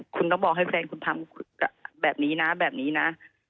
คุณต้องบอกให้แฟนคุณทำแบบนี้นะแบบนี้นะ